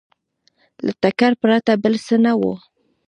له ټکر پرته بل څه نه وو